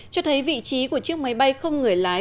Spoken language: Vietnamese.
cho thấy vị trí của chiếc máy bay không người lái